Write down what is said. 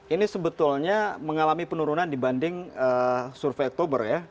ini sebetulnya mengalami penurunan dibanding survei oktober dua ribu enam belas